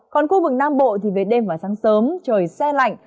còn khu vực nam bộ thì về đêm và sáng sớm trời xe lạnh